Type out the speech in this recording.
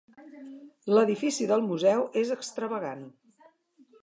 L'edifici del museu és extravagant.